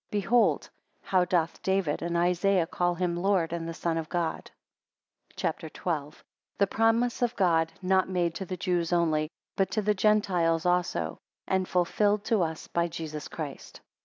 15 Behold, how doth David and Isaiah call him Lord, and the Son of God. CHAPTER XII. The Promise of God not made to the Jews only, but to the Gentiles also, and fulfilled to us by Jesus Christ.